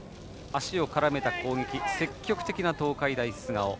足を絡めた攻撃積極的な東海大菅生。